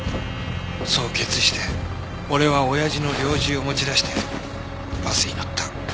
そう決意して俺は親父の猟銃を持ち出してバスに乗った。